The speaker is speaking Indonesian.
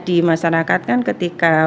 di masyarakat kan ketika